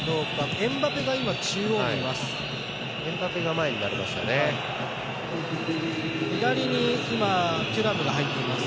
エムバペが今、中央にいます。